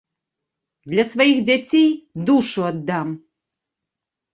Для сваіх дзяцей душу аддам.